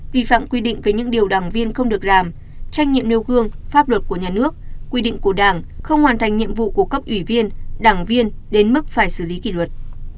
vi phạm quy định về những điều đảng viên không được làm tranh nhiệm nêu gương pháp luật của nhà nước quy định của đảng không hoàn thành nhiệm vụ của cấp ủy viên đảng viên đến mức phải xử lý kỷ luật